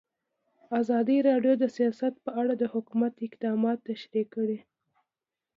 ازادي راډیو د سیاست په اړه د حکومت اقدامات تشریح کړي.